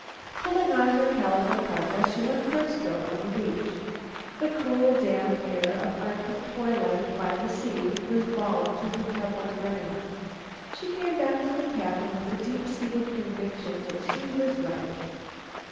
Pulling on her calico parka, she went for a stroll on the beach. The cool, damp air of Arctic twilight by the sea was balm to her troubled brain. She came back to the cabin with a deep seated conviction that she was right.